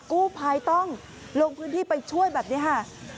กู้ภัยต้องลงพื้นที่ไปช่วยแบบนี้ค่ะ